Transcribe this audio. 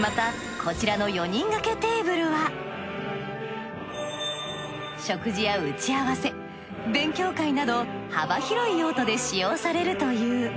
またこちらの４人掛けテーブルは食事や打ち合わせ勉強会など幅広い用途で使用されるという。